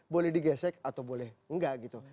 boleh digesek atau boleh enggak gitu